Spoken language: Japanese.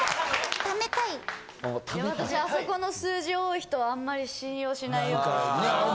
私、あそこの数字多い人はあんまり信用しない。